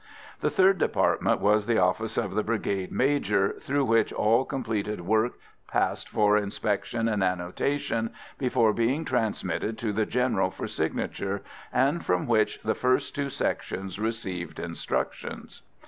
The third department was the office of the Brigade Major, through which all completed work passed for inspection and annotation before being transmitted to the General for signature, and from which the first two sections received instructions.